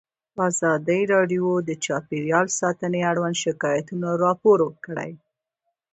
ازادي راډیو د چاپیریال ساتنه اړوند شکایتونه راپور کړي.